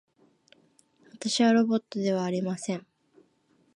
私はロボットではありません。